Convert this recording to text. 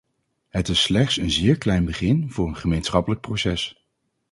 Het is slechts een zeer klein begin voor een gemeenschappelijk proces.